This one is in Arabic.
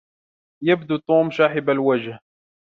يبدو توم شاحب الوجه.